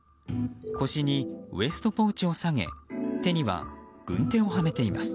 腰にウエストポーチを提げ手には軍手をはめています。